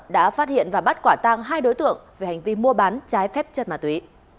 đã phát hiện và bắt quả tang hai đối tượng về hành vi mua bán trái phép chất ma túy